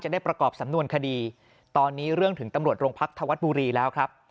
ได้ประกอบสำนวนคดีตอนนี้เรื่องถึงตำรวจโรงพักธวัฒน์บุรีแล้วครับ